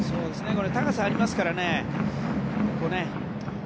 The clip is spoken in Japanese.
高さがありますからね。